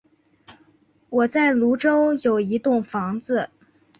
我在芦洲有一栋房子